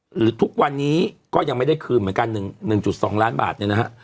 หรือทุกวันนี้ก็ยังไม่ได้คืนเหมือนกัน๑๒ล้านบาทเนี่ยนะฮะ